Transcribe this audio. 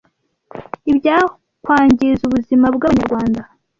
ibyakwangiza ubuzima bw’Abanyarwanda